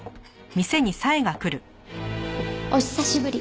お久しぶり。